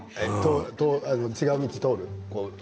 違う道を通る。